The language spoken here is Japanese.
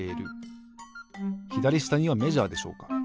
ひだりしたにはメジャーでしょうか。